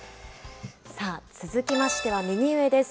さあ、続きましては、右上です。